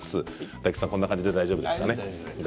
大吉さん、こんな感じで大丈夫ですかね。